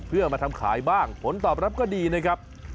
เพื่อมาทำขายบ้างผลตอบรับก็ดีนะครับ